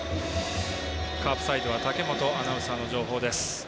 カープサイドは武本大樹アナウンサーの情報です。